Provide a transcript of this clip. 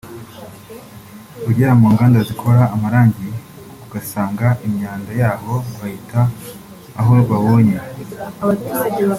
ugera mu nganda zikora amarangi ugasanga imyanda yaho bayita aho babonye